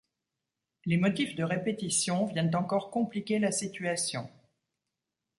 Les motifs de répétition viennent encore compliquer la situation.